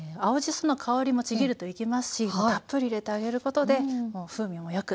その香りもちぎると生きますしたっぷり入れてあげることで風味もよく仕上がります。